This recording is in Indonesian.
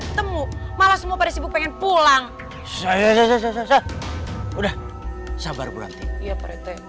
ketemu malah semua pada sibuk pengen pulang saya sudah sabar berarti